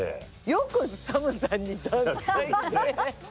よくＳＡＭさんにダンスで。